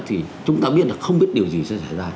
thì chúng ta biết là không biết điều gì sẽ xảy ra